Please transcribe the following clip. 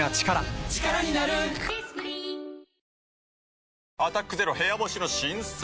わかるぞ「アタックＺＥＲＯ部屋干し」の新作。